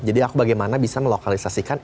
jadi aku bagaimana bisa melokalisasikan